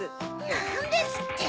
なんですって！